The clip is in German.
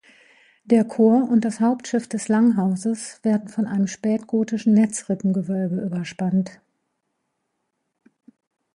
Der Chor und das Hauptschiff des Langhauses werden von einem spätgotischen Netzrippengewölbe überspannt.